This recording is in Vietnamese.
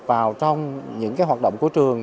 vào trong những hoạt động của trường